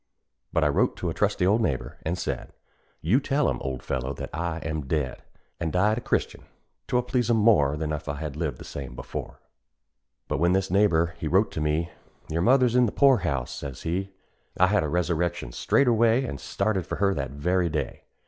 But I wrote to a trusty old neighbor, an' said, "You tell 'em, old fellow, that I am dead, An' died a Christian; 'twill please 'em more, Than if I had lived the same as before." But when this neighbor he wrote to me, "Your mother's in the poor house," says he, I had a resurrection straightway, An' started for her that very day.